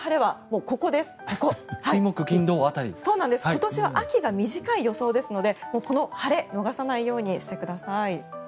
今年は秋が短い予想ですのでこの晴れを逃さないようにしてください。